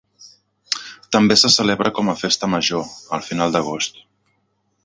També se celebra, com a festa major, al final d'agost.